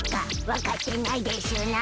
分かってないでしゅな。